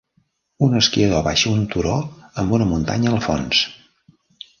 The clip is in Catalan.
Un esquiador baixa un turó amb una muntanya al fons.